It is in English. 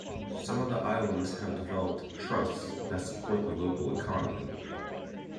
Some of the islands have development trusts that support the local economy.